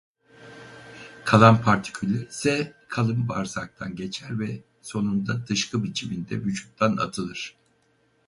Kalan partiküller ise kalın bağırsaktan geçer ve sonunda dışkı biçiminde vücuttan atılır.